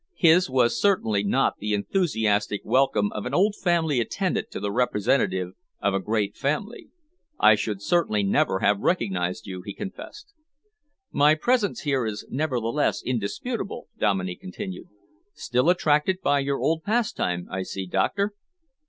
His was certainly not the enthusiastic welcome of an old family attendant to the representative of a great family. "I should certainly never have recognised you," he confessed. "My presence here is nevertheless indisputable," Dominey continued. "Still attracted by your old pastime, I see, Doctor?"